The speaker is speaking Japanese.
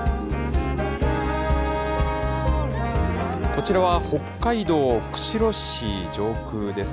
こちらは北海道釧路市上空です。